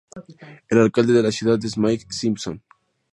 El alcalde de la ciudad es Mike Simpson.